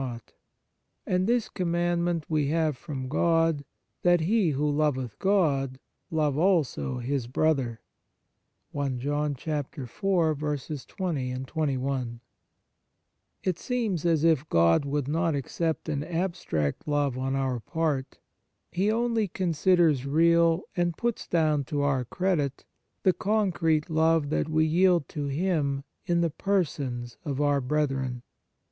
115 On Piety And this commandment we have from God, that he, who loveth God, love also his brother."* It seems as if God would not accept an abstract love on our part; He only considers real and puts down to our credit the concrete love that we yield to Him in the persons of our brethren.